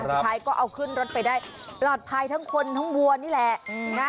สุดท้ายก็เอาขึ้นรถไปได้ปลอดภัยทั้งคนทั้งวัวนี่แหละนะ